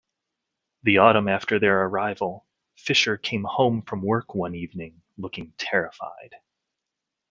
The autumn after their arrival, Fischer came home from work one evening, looking terrified.